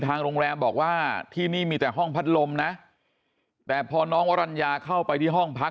ทางโรงแรมบอกว่าที่นี่มีแต่ห้องพัดลมนะแต่พอน้องวรรณญาเข้าไปที่ห้องพัก